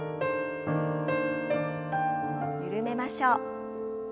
緩めましょう。